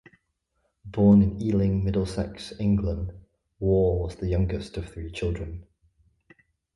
Born in Ealing, Middlesex, England, Warr was the youngest of three children.